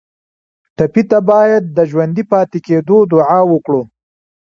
ټپي ته باید د ژوندي پاتې کېدو دعا وکړو.